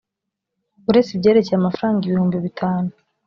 uretse ibyerekeye amafaranga ibihumbi bitanu